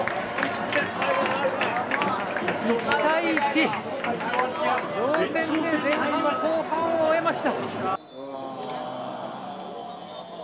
１対１、同点で今、後半を終えました。